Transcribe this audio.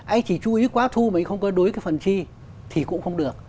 anh chỉ chú ý quá thu mà anh không cân đối cái phần chi thì cũng không được